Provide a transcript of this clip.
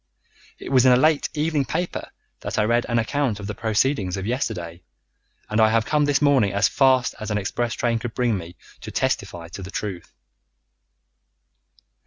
It was in a late evening paper that I read an account of the proceedings of yesterday, and I have come this morning as fast as an express train could bring me to testify to the truth."